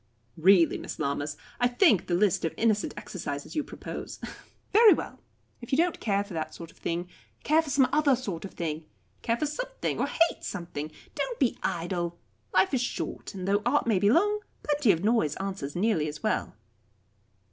"Really, Miss Lammas, I think the list of innocent exercises you propose " "Very well if you don't care for that sort of thing, care for some other sort of thing. Care for something, or hate something. Don't be idle. Life is short, and though art may be long, plenty of noise answers nearly as well."